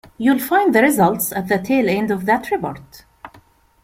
You'll find the results at the tail end of that report.